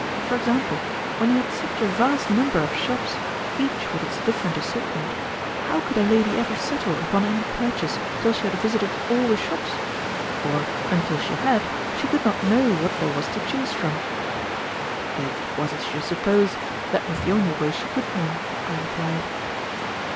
For example, when you had such a vast number of shops, each with its different assortment, how could a lady ever settle upon any purchase till she had visited all the shops? for, until she had, she could not know what there was to choose from." "It was as you suppose; that was the only way she could know," I replied.